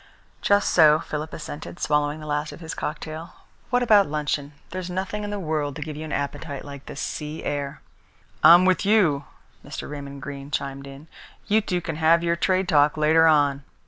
"Just so," Philip assented, swallowing the rest of his cocktail. "What about luncheon? There's nothing in the world to give you an appetite like this sea air." "I'm with you," Mr. Raymond Greene chimed in. "You two can have your trade talk later on."